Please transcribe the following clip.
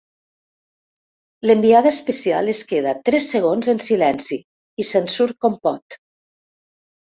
L'enviada especial es queda tres segons en silenci i se'n surt com pot.